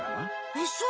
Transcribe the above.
えっそう？